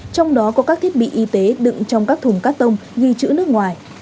trong đó có các thiết bị y tế đựng trong các thùng cắt tông ghi chữ nước ngoài